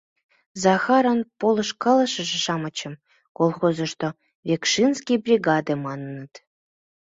Захарын полышкалышыже-шамычым колхозышто «Векшинский бригаде» маныныт.